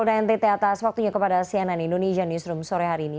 polda ntt atas waktunya kepada cnn indonesia newsroom sore hari ini